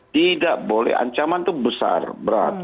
tidak boleh ancaman itu besar berat